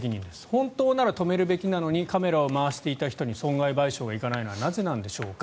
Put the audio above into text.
本当なら止めるべきなのにカメラを回していた人に損害賠償が行かないのはなぜなんでしょうか。